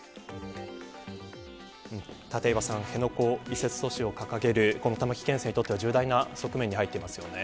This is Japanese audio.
立岩さん辺野古移設阻止を掲げる玉城県政にとっては重大な局面に入っていますよね。